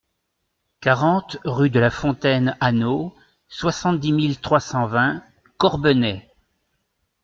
quarante rue de la Fontaine Anneau, soixante-dix mille trois cent vingt Corbenay